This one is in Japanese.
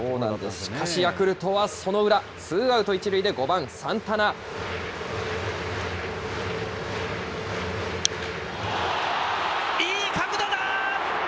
しかしヤクルトはその裏、ツーアウト１塁で５いい角度だ。